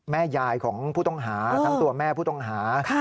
แม่ยายของผู้ต้องหาทั้งตัวแม่ผู้ต้องหา